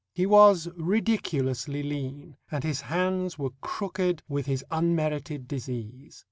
He was ridiculously lean, and his hands were crooked with his unmerited disease.